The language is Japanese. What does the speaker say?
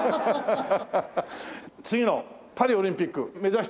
次のパリオリンピック目指して。